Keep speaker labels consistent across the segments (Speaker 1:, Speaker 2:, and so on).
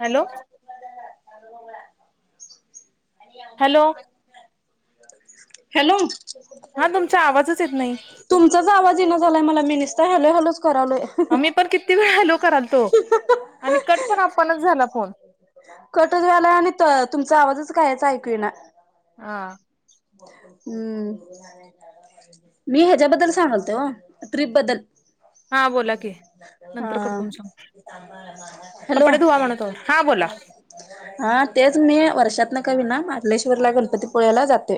Speaker 1: Hello hello
Speaker 2: hello
Speaker 1: हा तुमचा आवाजच येत नाही.
Speaker 2: तुमचाच आवाज येईना झालाय मला मि निसत हलो हलोच करायलोय.
Speaker 1: आम्ही पण किती वेळ हॅलो करालतो आणि कट पण आपणच झाला फोन.
Speaker 2: कटच व्हायलाय आणि तुमचा आवाजच कायच एकूइना.
Speaker 1: हा.
Speaker 2: हम्म मी ह्याच्याबद्दल सांगलते हो ट्रिप बद्दल
Speaker 1: हा बोला की
Speaker 2: हा.
Speaker 1: नंतर करतो तुमचा
Speaker 2: हॅलो
Speaker 1: कपडे धुवा म्हणत आहोत हा बोला
Speaker 2: हा तेच मी वर्षात न कवी ना मरलेश्वरला गणपतीपूळ्याला जातोय.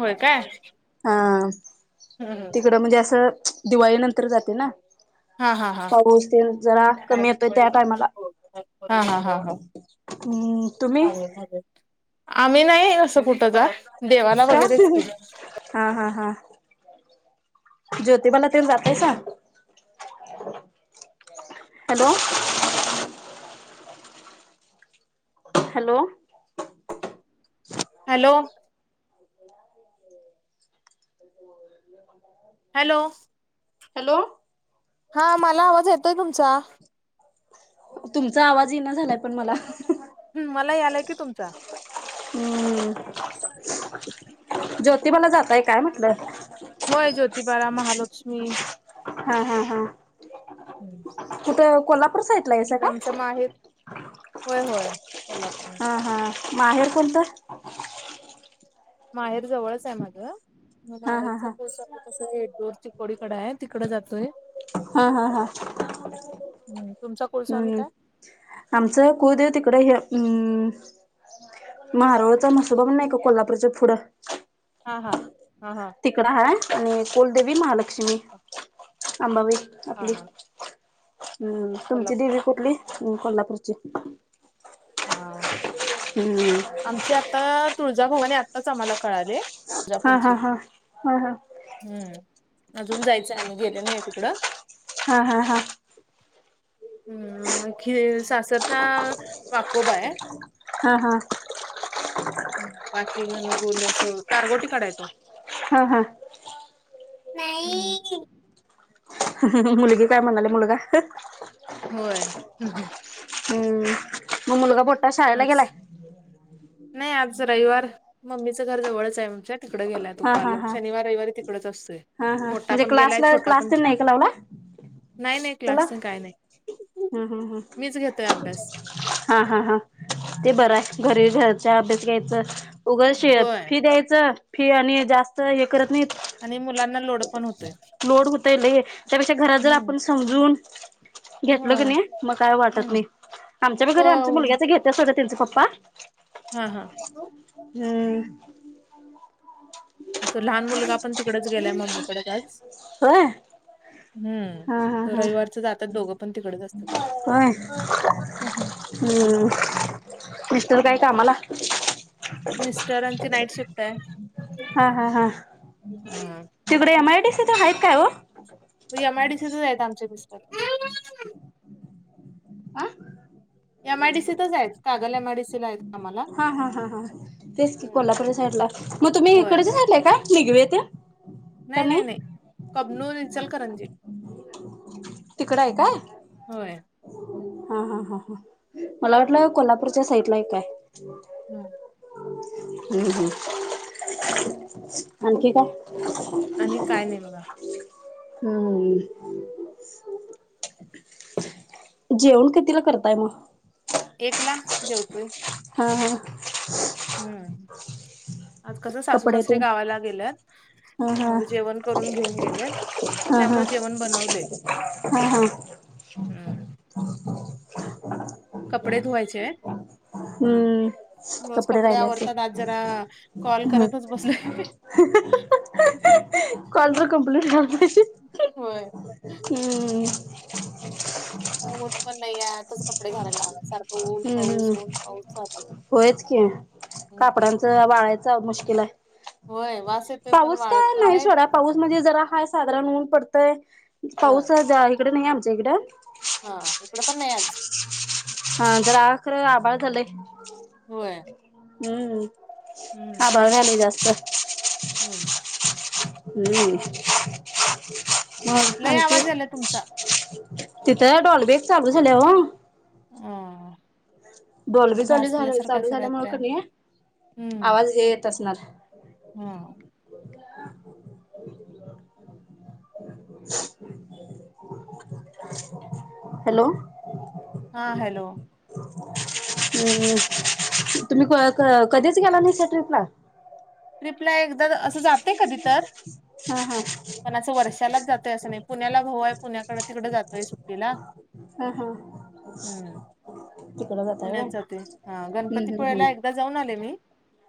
Speaker 1: होय काय?
Speaker 2: हं तिकडं
Speaker 1: हा
Speaker 2: म्हणजे असं दिवाळी नंतर जाते ना?
Speaker 1: हा हा
Speaker 2: पाऊस तेन जरा
Speaker 1: हा
Speaker 2: कमी येतोय त्या टायमाला
Speaker 1: हा हा हा
Speaker 2: हम्म तुम्ही?
Speaker 1: आम्ही नाही असं कुठं जात देवाला
Speaker 2: का
Speaker 1: वगैरेच की.
Speaker 2: हा हा हा. ज्योतिबाला तेन जातायसा? Hello hello
Speaker 1: hello
Speaker 2: [inaudible]
Speaker 1: hello
Speaker 2: hello
Speaker 1: हा मला आवाज येतोय तुमचा.
Speaker 2: तुमचा आवाज ई ना झालाय पण मला.
Speaker 1: हम्म मला यालाय की तुमचा.
Speaker 2: हम्म ज्योतिबला जाताय काय म्हटलं?
Speaker 1: होय ज्योतिबाला महालक्ष्मी
Speaker 2: हा हा हा कुठय कोल्हापूर साइडला आहेसा का?
Speaker 1: आमच्या माहेर होय होय कोल्हापूर
Speaker 2: हा हा माहेर कोणतं?
Speaker 1: माहेर जवळच आहे माझं. मग
Speaker 2: हा हा
Speaker 1: माहेरच्
Speaker 2: हा
Speaker 1: कुलस्वामी कस [unintelligible] चिकोडीकडे आहे तिकड जातोय.
Speaker 2: हा हा हा.
Speaker 1: हम्म तुमचा कुलस्वामी काय?
Speaker 2: आमचा कुलदैवत इकडं हे उम मारोळचा मसोबा पण नाही का कोल्हापूरच्या पुढं?
Speaker 1: हा हा हा हा.
Speaker 2: तिकड हाय आणि कुलदेवी महालक्ष्मी आंबाबाई
Speaker 1: हा
Speaker 2: आपली.
Speaker 1: हा
Speaker 2: हम्म तुमची
Speaker 1: कोल्हापूर
Speaker 2: देवी कुठली कोल्हापूरची?
Speaker 1: हा
Speaker 2: हम्म
Speaker 1: आमची आता तुळजाभवाने आताच आम्हाला कळाले.
Speaker 2: हा
Speaker 1: तुळजापूरची
Speaker 2: हा हा हा हा.
Speaker 1: हम्म अजून जायचं आम्ही गेले नाही तिकडं.
Speaker 2: हा हा हा.
Speaker 1: हम् म खि सासरचा वाकोबा अय.
Speaker 2: हा हा
Speaker 1: ह बाकी घन गुोल अस कारगोटी काढाय तो
Speaker 2: हा हा
Speaker 1: नाही
Speaker 2: मुलगी काय म्हणाली मुलगा
Speaker 1: होय ह् हम्
Speaker 2: हम्म मग मुलगा बोटा शाळेला
Speaker 1: आज
Speaker 2: गेलाय
Speaker 1: नाही आज रविवार मम्मीचं घर जवळच आहे म्हणज तिकड गेलाय तू
Speaker 2: हा हा
Speaker 1: काल
Speaker 2: हा
Speaker 1: शनवार रविवारी तिकडच असतोय
Speaker 2: हा हा
Speaker 1: मोठा
Speaker 2: म्हणजे
Speaker 1: पण गेलाय
Speaker 2: क्लासला
Speaker 1: छोटा
Speaker 2: क्लास
Speaker 1: पण
Speaker 2: दि नाही का लावला
Speaker 1: नाही नाही
Speaker 2: चला
Speaker 1: क्लास तेन काय नाही.
Speaker 2: हम्म हम्म
Speaker 1: मीच घेतोय अभ्यास
Speaker 2: हम् हा हा हा ते बरं आहे घरी घराचा अभ्यास घ्यायचां उघडशी
Speaker 1: होय
Speaker 2: फी द्यायचं फी आणि जास्त हे करत नाही
Speaker 1: आणि मुलांना लोड पण होतोय
Speaker 2: लोड होत त्यापेक्षा घरात जर
Speaker 1: हम्म.
Speaker 2: आपण समजून घेतल क
Speaker 1: होय
Speaker 2: नाही मग काय वाटत नाही
Speaker 1: हम्म
Speaker 2: आमच्या प
Speaker 1: तो
Speaker 2: घर आमच्या मुलग्याच घेत तस होतं तचा पप्पा
Speaker 1: हा हा
Speaker 2: हम्म
Speaker 1: तू लहान मुलगा पण तिकडच गेलाय मम्मीकडे काच
Speaker 2: होय
Speaker 1: हम्म
Speaker 2: हा हा हा
Speaker 1: रविवारच जातात दोघं पण तिकडच
Speaker 2: होय
Speaker 1: असतात
Speaker 2: हम्म दिसतर काय कामला
Speaker 1: मिस्टर आची नाईट शिकत आहे
Speaker 2: हा हा हा
Speaker 1: ह
Speaker 2: तिकडे एम आयडी स तर आहेत काय व
Speaker 1: मग एम आयडीीच आहेत आमचे मििस्टर
Speaker 2: आ
Speaker 1: एम आयडीसी तरच आहेत कागल एम आयडीसी ला आहे
Speaker 2: हा हा हा हा तेच की
Speaker 1: हम्म.
Speaker 2: कोल्हापूरच्या साईड ला मग तुम्ही
Speaker 1: होय
Speaker 2: इकडच्या साईडला आहे का निघवे ते
Speaker 1: नाही नाही नाही कबनू रचल करंजी
Speaker 2: तिकडं आहे काय
Speaker 1: होय
Speaker 2: हा हा हा हा मला वाटलं कोल्हापूरच्या साईड ला एक काय
Speaker 1: हम
Speaker 2: हम् हम् आणखी काय
Speaker 1: आणि काय नाही बगा
Speaker 2: हम् जेवण कितीिला करताय मग
Speaker 1: एक ला जेवतोय
Speaker 2: हा हा
Speaker 1: हम्म आज कसं सासू
Speaker 2: कपडे
Speaker 1: सासरीे
Speaker 2: तेन
Speaker 1: गावाला गेलं
Speaker 2: हा हा
Speaker 1: मग जेवण करून घेऊन गेले
Speaker 2: हा हा
Speaker 1: त्यामुळे जेवण बनवले हम्म
Speaker 2: ह ह
Speaker 1: कपडे धुवायचे
Speaker 2: ह हम्म
Speaker 1: रोज
Speaker 2: कपडे राहिल्या अस
Speaker 1: आवरतात आज जरा कॉल
Speaker 2: ह्
Speaker 1: करतच बसले
Speaker 2: कॉलज कम्प्लीट करतेची
Speaker 1: होय
Speaker 2: हम्म
Speaker 1: ऊठ पण नाही आताच कपडे घायला लावणार सारख
Speaker 2: हम्म हम्म होयच की
Speaker 1: हम्म.
Speaker 2: कापडांचं वाळायच मुश्किल आहे
Speaker 1: होय. वा
Speaker 2: पाऊस काय नाही सोडा पाऊस म्हणजे जरा हा साधारण ऊन पडतय.
Speaker 1: होय
Speaker 2: पाऊस जा इकड नाहीये आमच्या इकडं
Speaker 1: हा इकडं पण नाय आज
Speaker 2: हा जरा आ खर आभाळ झालंय.
Speaker 1: होय.
Speaker 2: हम्म
Speaker 1: हम्म
Speaker 2: आभाळ झालंय जास्त
Speaker 1: होय.
Speaker 2: हम्म मग
Speaker 1: लय
Speaker 2: आणखी
Speaker 1: आवाज यायलाय तुमचा
Speaker 2: तिथं डॉलबेचं चालू झालय ओ
Speaker 1: ह
Speaker 2: डॉल्बी चालू झाल चालू
Speaker 1: असं
Speaker 2: झाल्यामुळ
Speaker 1: काहीतरी आहे.
Speaker 2: कणी आवाज येत असणार.
Speaker 1: हूं
Speaker 2: हॅलो
Speaker 1: हा हॅलो
Speaker 2: हम्म तुम्ही क क कधीच गेला नाय त्या ट्रीपला
Speaker 1: ट्रिप ला एकदा असं जाते कधी तर
Speaker 2: हा हा
Speaker 1: पण असं वर्षालाच जातोय असं नाय पुण्याला भाऊ हाय पुण्याकडं तिकडे जातोय सुट्टीला
Speaker 2: हा हा
Speaker 1: हूं
Speaker 2: तिकडं जाताय
Speaker 1: पुण्यात
Speaker 2: व्हय
Speaker 1: जातोय हा
Speaker 2: हम्म हम्म हम्म.
Speaker 1: गणपतीपुळयाला एकदा जाऊन आले मी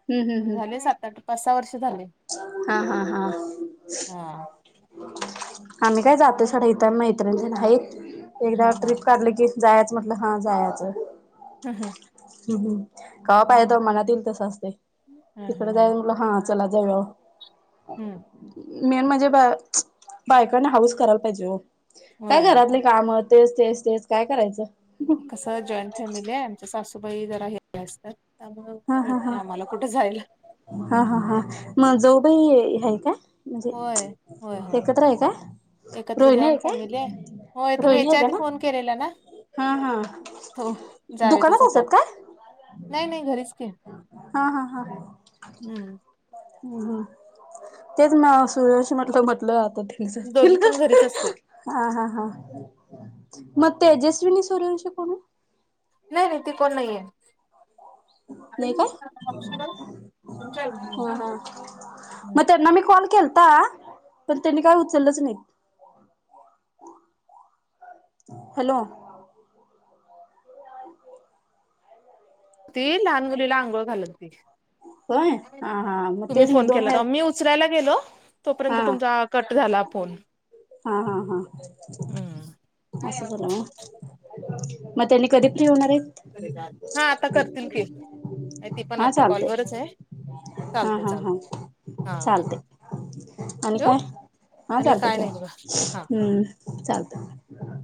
Speaker 2: हम्म हम्म
Speaker 1: पण झाले
Speaker 2: हम्म
Speaker 1: सात आठ पाच सहा वर्ष झाले.
Speaker 2: हा हा हा
Speaker 1: हा
Speaker 2: आम्ही काय जातोय सोडा इथं मैत्रिण तेन हाईत एकदा
Speaker 1: हा हा.
Speaker 2: ट्रिप काढली की जायाचं म्हटलं हा जायाच
Speaker 1: ह ह
Speaker 2: हम्म हम्म कवा पाय तवा मनात येईल तसं असतय
Speaker 1: हं,
Speaker 2: तिकडे
Speaker 1: हं, हं.
Speaker 2: जावूया म्हटलं हा चला जाऊया
Speaker 1: हम्म
Speaker 2: मेन म्हणजे ब बायकांनी हौस करायला पाहिजे हो काय
Speaker 1: होय.
Speaker 2: घरातली काम तेच तेच तेच काय करायचं.
Speaker 1: कसंय जॉईंट फॅमिली आहे आमच्या सासूबाई जरा हे [unintelligible] असतात त्यामुळं
Speaker 2: हा
Speaker 1: मिळत
Speaker 2: हा हा
Speaker 1: नाय आम्हाला कुठ जायला.
Speaker 2: हा हा हा म जाऊबाई हाये का
Speaker 1: होय. होय,
Speaker 2: म्हणजे
Speaker 1: होय.
Speaker 2: एकत्र हाय का
Speaker 1: एकत्र
Speaker 2: रोहिणी हाय
Speaker 1: जॉईंट
Speaker 2: काय
Speaker 1: फॅमिली आहे. होय तुम्ही
Speaker 2: रोहिणी
Speaker 1: याच्या
Speaker 2: एक हाय
Speaker 1: आधी
Speaker 2: ना
Speaker 1: फोन केलेला ना?
Speaker 2: हा हा
Speaker 1: तो
Speaker 2: दुकानात असत्यात काय?
Speaker 1: नाय नाय घरीचं
Speaker 2: हा हा हा
Speaker 1: हं.
Speaker 2: हूं हूं तेच म सूर्यवंशी म्हटलं म्हटलं आता ते
Speaker 1: दोघी पण घरीच असतोय.
Speaker 2: [unintelligible] हा हा हा मग तेजस्विनी सूर्यंवंशी कोण ओ
Speaker 1: नाय नाय ती कोण नाहीये.
Speaker 2: नय काय ह ह
Speaker 1: हं.
Speaker 2: म त्यांना मी कॉल केलता पण त्यांनी काय उचलंच नाहीत. हॅलो
Speaker 1: ती लहान मुलीला आंघोळ घालत होती.
Speaker 2: होय हा हा मग
Speaker 1: तुम्ही
Speaker 2: तेच मी
Speaker 1: फोन केला
Speaker 2: दोन वेळ
Speaker 1: तवा मी उ उचरायला गेलो तोपर्यंत तुमचा कट झाला फोन.
Speaker 2: हा हा हा
Speaker 1: हं.
Speaker 2: हा अस
Speaker 1: हा
Speaker 2: झालं व्हय म त्यांनी कधी फ्री होणार हाईत.
Speaker 1: हा आता करतील के ते पण
Speaker 2: हा
Speaker 1: आता
Speaker 2: चालते
Speaker 1: कॉलवररच आहे.
Speaker 2: हा
Speaker 1: चालते
Speaker 2: हा हा
Speaker 1: चालते हा
Speaker 2: चालते. आणि
Speaker 1: ठेवू
Speaker 2: काय हा
Speaker 1: आणि
Speaker 2: चालत
Speaker 1: काय
Speaker 2: ठेवा
Speaker 1: नाही बघा हा
Speaker 2: हम्म चालतं.